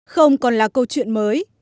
không còn là câu chuyện mới